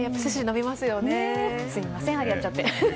すみません張り合っちゃって。